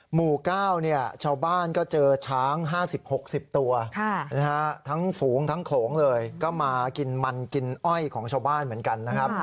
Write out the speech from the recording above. หมู่๙ชาวบ้านก็เจอช้าง๕๐๖๐ตัวทั้งฝูงทั้งโขลงเลยก็มากินมันกินอ้อยของชาวบ้านเหมือนกันนะครับ